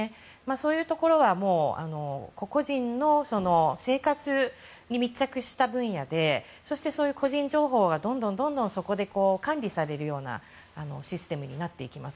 そういうところは個々人の生活に密着した分野でそして、そういった個人情報がどんどんそこで管理されるようなシステムになっていきます。